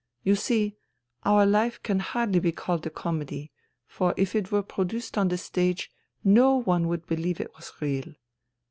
You see, our life can hardly be called a comedy, for if it were produced on the stage no one would believe it was real.